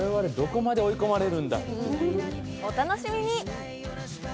お楽しみに。